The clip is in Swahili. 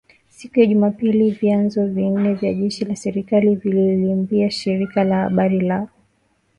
siku ya Jumapili vyanzo vine vya jeshi la serikali vililiambia shirika la habari la